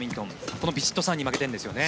このヴィチットサーンに負けているんですよね。